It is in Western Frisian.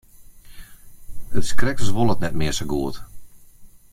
It is krekt as wol it net mear sa goed.